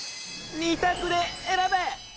２択で選べ！